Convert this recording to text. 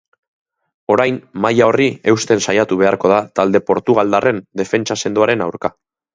Orain maila horri gusten saiatu beharko da talde portugaldarren defentsa sendoaren aurka.